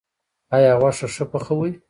ایا غوښه ښه پخوئ؟